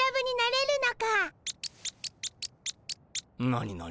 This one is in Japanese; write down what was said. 何何？